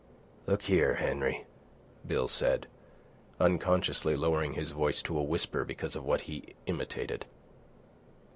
"Look here, Henry," Bill said, unconsciously lowering his voice to a whisper because of what he imitated.